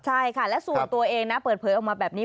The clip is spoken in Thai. ใช่ค่ะและส่วนตัวเองนะเปิดเผยออกมาแบบนี้